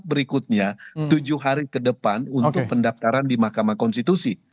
berikutnya tujuh hari ke depan untuk pendaftaran di mahkamah konstitusi